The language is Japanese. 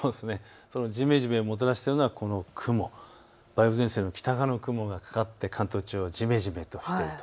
じめじめをもたらしているのがこの雲、梅雨前線の北側の雲がかかって関東地方はじめじめしていると。